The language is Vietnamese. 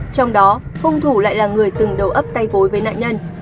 trong đó hung thủ lại là người từng đầu ấp tay gối với nạn nhân